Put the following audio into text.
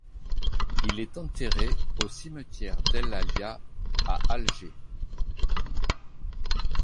Il est enterré au cimetière d'El Alia, à Alger.